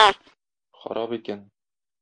Харап икән!